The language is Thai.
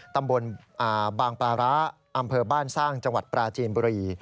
ตำบลบางปลาร้าอำเภอบ้านสร้างจังหวัดปราจีนบุรี